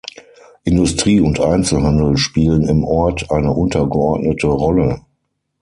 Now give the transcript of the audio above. Industrie und Einzelhandel spielen im Ort eine untergeordnete Rolle.